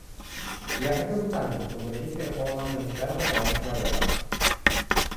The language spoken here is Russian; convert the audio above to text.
Я хотел бы также поблагодарить Верховного комиссара по правам человека.